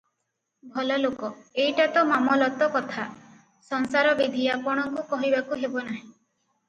ଭଲଲୋକ- ଏଇଟା ତ ମାମଲତ କଥା, ସଂସାର ବିଧି ଆପଣଙ୍କୁ କହିବାକୁ ହେବ ନାହିଁ ।